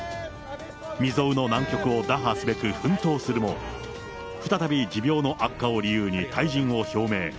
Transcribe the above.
未曽有の難局を打破すべく奮闘するも、再び、持病の悪化を理由に退陣を表明。